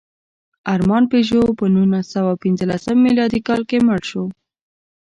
ارمان پيژو په نولسسوهپینځلسم مېلادي کال کې مړ شو.